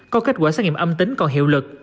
có kết quả xét nghiệm âm tính còn hiệu lực